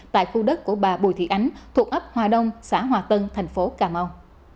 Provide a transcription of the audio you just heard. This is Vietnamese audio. tại khu đất của bà bùi thị ánh thuộc ấp hòa đông xã hòa tân thành phố cà mau